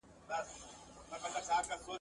غوره کړی چا دوکان چا خانقاه ده ..